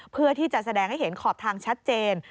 เพื่อที่จะแสดงให้เห็นขอบทางชัดเจน